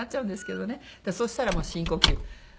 そしたらもう深呼吸。